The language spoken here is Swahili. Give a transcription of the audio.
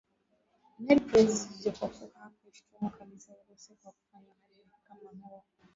Ned Price japokuwa hakuishutumu kabisa Urusi kwa kufanya uhalifu kama huo